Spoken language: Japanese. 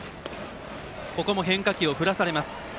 変化球を振らされます。